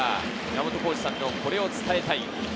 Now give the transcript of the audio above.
山本浩二さんの、これを伝えたい！